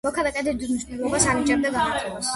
მოქანდაკე დიდ მნიშვნელობას ანიჭებდა განათებას.